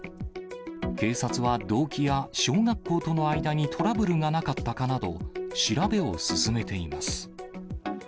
警察は、動機や小学校との間にトラブルがなかったかなど、調べを進めています。